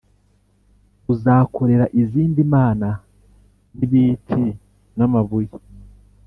uzakorera izindi mana z’ibiti n’amabuye.